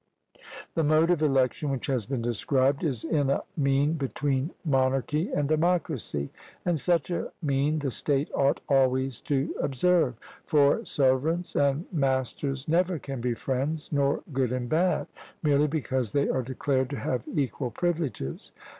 The mode of election which has been described is in a mean between monarchy and democracy, and such a mean the state ought always to observe; for servants and masters never can be friends, nor good and bad, merely because they are declared to have equal privileges.